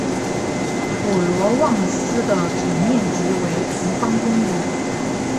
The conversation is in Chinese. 普罗旺斯的总面积为平方公里。